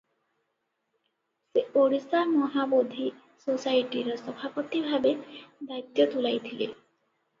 ସେ ଓଡ଼ିଶା ମହାବୋଧି ସୋସାଇଟିର ସଭାପତି ଭାବେ ଦାୟିତ୍ୱ ତୁଲାଇଥିଲେ ।